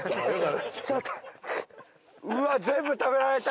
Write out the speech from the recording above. うわ全部食べられた。